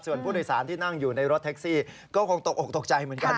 ส่วนผู้โดยสารที่นั่งอยู่ในรถแท็กซี่ก็คงตกออกตกใจเหมือนกัน